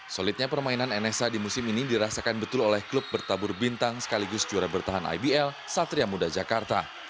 solidnya permainan nsa di musim ini dirasakan betul oleh klub bertabur bintang sekaligus juara bertahan ibl satria muda jakarta